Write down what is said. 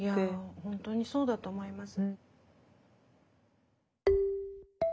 本当にそうだと思います。